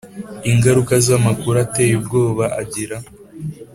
Ingaruka amakuru ateye ubwoba agira